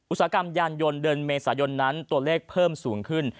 อุตสาหกรรมยานยนต์เดือนเมษายนนั้นตัวเลขเพิ่มสูงขึ้น